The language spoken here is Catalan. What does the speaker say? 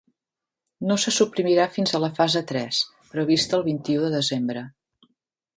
No se suprimirà fins a la fase tres, prevista el vint-i-u de desembre.